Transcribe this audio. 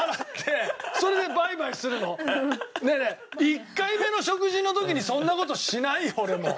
１回目の食事の時にそんな事しないよ俺も。